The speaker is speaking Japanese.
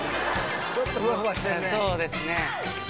ちょっとふわふわしてるね。